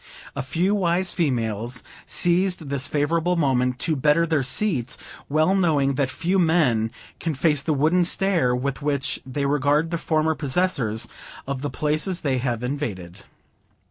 A few wise females seized this favorable moment to better their seats, well knowing that few men can face the wooden stare with which they regard the former possessors of the places they have invaded.